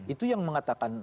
itu yang mengatakan